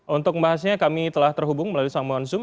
untuk membahasnya kami telah terhubung melalui sambungan zoom